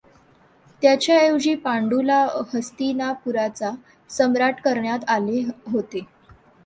त्याच्याऐवजी पांडूला हस्तिनापूरचा सम्राट करण्यात आले होते.